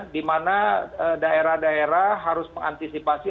di mana daerah daerah harus mengantisipasi